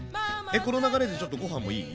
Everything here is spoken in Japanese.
この流れでちょっとご飯もいい？